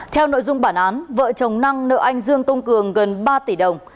theo nội dung bản án vợ chồng năng nợ anh dương công cường gần ba tỷ đồng